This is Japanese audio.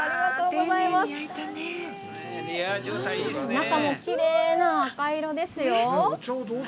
中もきれいな赤色ですよ。